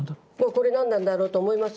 「これ何なんだろう？」と思いますでしょ。